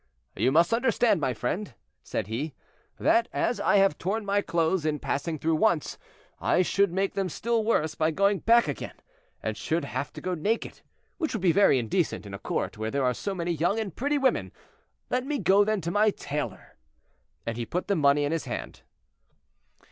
"You must understand, my friend," said he, "that as I have torn my clothes in passing through once, I should make them still worse by going back again, and should have to go naked, which would be very indecent in a court where there are so many young and pretty women; let me go then to my tailor." And he put the money in his hand.